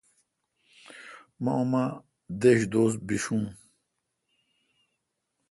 مہ اماں دش دوس بشون۔